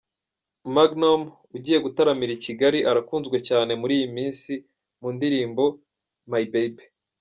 Magnom ugiye gutaramira i Kigali arakunzwe cyane muri iyi minsi mu ndirimbo "My Baby".